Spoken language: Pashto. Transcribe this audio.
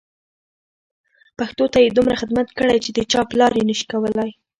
پښتو ته یې دومره خدمت کړی چې د چا پلار یې نه شي کولای.